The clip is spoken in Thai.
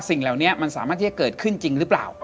สิ่งเหล่านี้มันสามารถที่จะเกิดขึ้นจริงหรือเปล่า